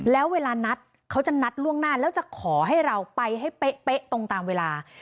แล้วเวลานัดเขาจะนัดล่วงหน้าแล้วจะขอให้เราไปให้เป๊ะตรงตามเวลา